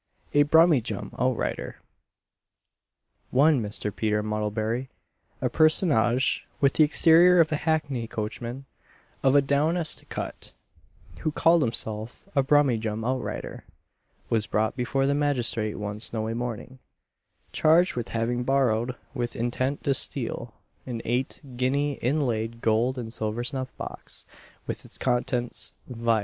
A BRUMMYJUM OUTRIDER. One Mr. Peter Muttlebury, a personage with the exterior of a hackney coachman, of the down est cut, but who called himself "a Brummyjum out rider," was brought before the magistrate one snowy morning, charged with having borrowed, with intent to steal, an eight guinea inlaid gold and silver snuff box, with its contents, viz.